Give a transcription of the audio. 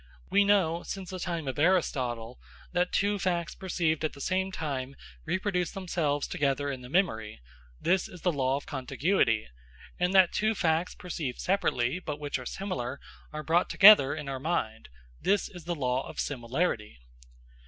We know, since the time of Aristotle, that two facts perceived at the same time reproduce themselves together in the memory this is the law of contiguity; and that two facts perceived separately, but which are similar, are brought together in our mind this is the law of similarity.